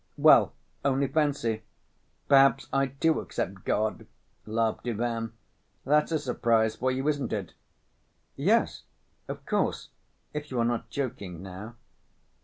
Well, only fancy, perhaps I too accept God," laughed Ivan; "that's a surprise for you, isn't it?" "Yes, of course, if you are not joking now."